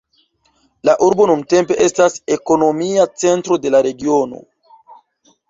La urbo nuntempe estas ekonomia centro de la regiono.